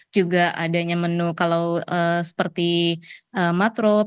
juga adanya menu kalau seperti matrop